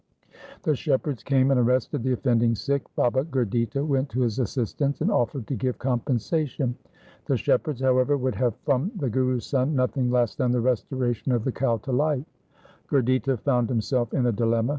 The shepherds came and arrested the offending Sikh. Baba Gurditta went to his assist ance and offered to give compensation. The shep herds, however, would have from the Guru's son nothing less than the restoration of the cow to life. Gurditta found himself in a dilemma.